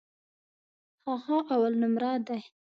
هغه اولنومره دی.